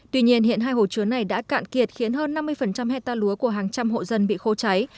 tuy nhiên hiện hai hồ chứa này đã cạn kiệt khiến hơn năm mươi hectare lúa của hàng trăm hộ dân bị khô cháy